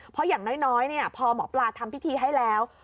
เพราะอย่างน้อยพอหมอปลาทำพิธีให้แล้ว